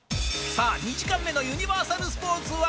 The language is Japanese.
さあ、２時間目のユニバーサルスポーツは。